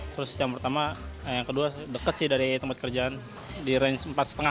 terus yang pertama yang kedua deket sih dari tempat kerjaan di range empat lima